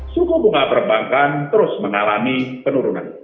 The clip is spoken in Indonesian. suku bunga perbankan terus mengalami penurunan